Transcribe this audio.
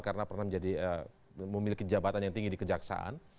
karena pernah menjadi memiliki jabatan yang tinggi di kejaksaan